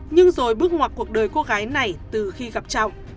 nhưng rồi bước ngoặt cuộc đời cô gái này từ khi gặp trọng